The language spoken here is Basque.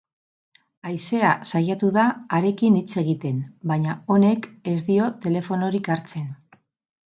Haizea saiatu da harekin hitz egiten, baina honek ez dio telefonorik hartzen.